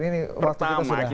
ini waktu kita sudah sulit sekali